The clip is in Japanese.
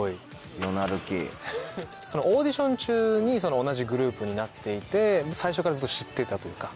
オーディション中に同じグループになっていて最初からずっと知っていたというか。